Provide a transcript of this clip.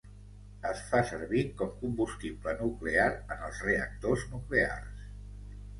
Es fa servir com combustible nuclear en els reactors nuclears.